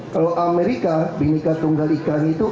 kalau amerika binika tunggal ikan itu